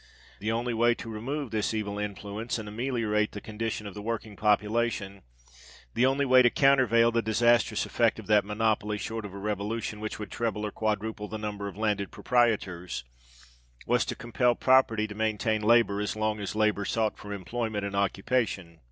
The only way to remove this evil influence, and ameliorate the condition of the working population—the only way to countervail the disastrous effect of that monopoly, short of a Revolution which would treble or quadruple the number of landed proprietors,—was to compel property to maintain labour as long as labour sought for employment and occupation.